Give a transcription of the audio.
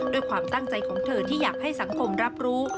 ด้วยความตั้งใจของเธอที่อยากให้สังคมรับรู้